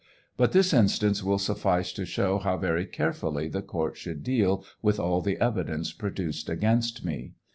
But this instance will suffice to show how very carefully the court should deal with all the evidence produced against me.